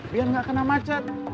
biar nggak kena macet